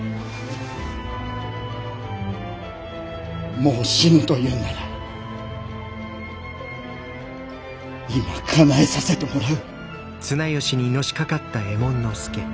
もう死ぬというんなら今かなえさせてもらう。